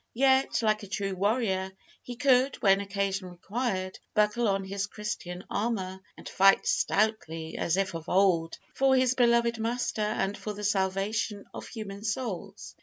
Yet, like a true warrior, he could, when occasion required, buckle on his Christian armour, and fight stoutly, as of old, for his beloved Master and for the salvation of human souls.